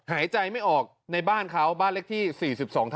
หายใจไม่ออกในบ้านเขาบ้านเลขที่๔๒๓